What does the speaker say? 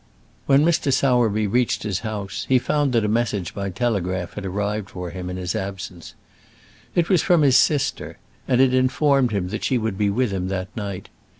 When Mr. Sowerby reached his house he found that a message by telegraph had arrived for him in his absence. It was from his sister, and it informed him that she would be with him that night.